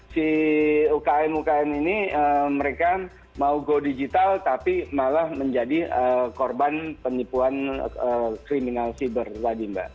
si umkm ukm ini mereka mau go digital tapi malah menjadi korban penipuan kriminal cyber tadi mbak